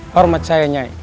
hormat saya nyai